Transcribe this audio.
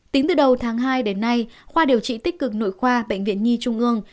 tính từ đầu tháng hai đến nay khoa điều trị tích cực nội khoa bệnh viện nhi trung ương